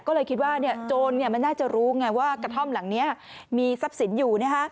ก็เลยคิดว่าโจรมันน่าจะรู้ไงว่ากระท่อมหลังนี้มีทรัพย์สินอยู่